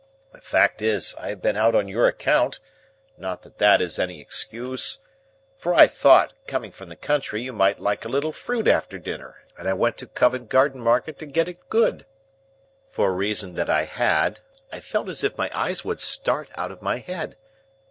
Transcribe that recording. The fact is, I have been out on your account,—not that that is any excuse,—for I thought, coming from the country, you might like a little fruit after dinner, and I went to Covent Garden Market to get it good." For a reason that I had, I felt as if my eyes would start out of my head.